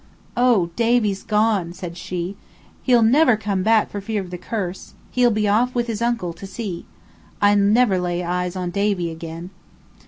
"Oh, Davy's gone," said she. "He'll never come back for fear of the curse. He'll be off with his uncle to sea. I'll never lay eyes on Davy again."